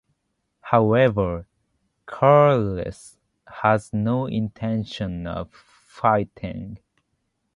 However, Charles had no intention of fighting.